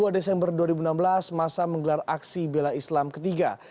dua desember dua ribu enam belas masa menggelar aksi bela islam ketiga